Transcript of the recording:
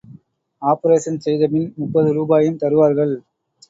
Operation செய்தபின் முப்பது ரூபாயும் தருவார்கள்.